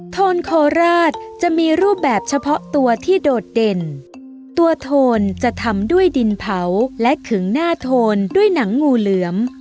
โทนโคราชจะมีรูปแบบเฉพาะตัวที่โดดเด่นตัวโทนจะทำด้วยดินเผาและขึงหน้าโทนด้วยหนังงูเหลือม